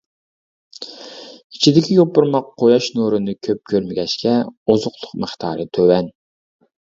ئىچىدىكى يوپۇرماق قۇياش نۇرىنى كۆپ كۆرمىگەچكە، ئوزۇقلۇق مىقدارى تۆۋەن.